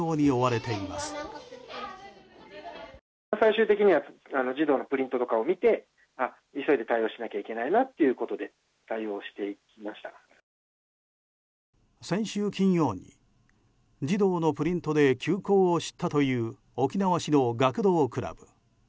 先週金曜に、児童のプリントで休校を知ったという沖縄市の学童クラブ。